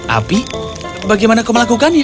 api bagaimana aku melakukannya